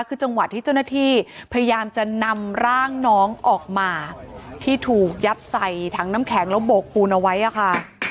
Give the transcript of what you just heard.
คือจังหวะที่เจ้าหน้าที่พยายามจะนำร่างน้องออกมาที่ถูกยัดใส่ถังน้ำแข็งแล้วโบกปูนเอาไว้อะค่ะ